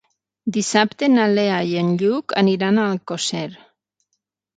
Dissabte na Lea i en Lluc aniran a Alcosser.